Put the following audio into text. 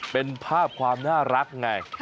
เป็นภาพความน่ารักไง